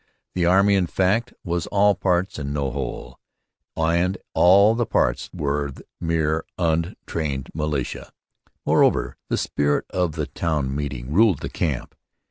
The 'army,' in fact, was all parts and no whole, and all the parts were mere untrained militia. Moreover, the spirit of the 'town meeting' ruled the camp.